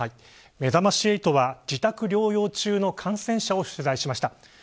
めざまし８は、自宅療養中の感染者を取材しました。